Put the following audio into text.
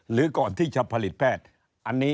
หรือก่อนที่จะผลิตแพทย์